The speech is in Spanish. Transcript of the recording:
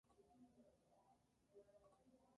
Era católico.